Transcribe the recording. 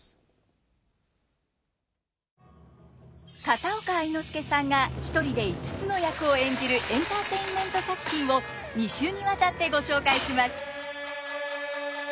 片岡愛之助さんが一人で５つの役を演じるエンターテインメント作品を２週にわたってご紹介します。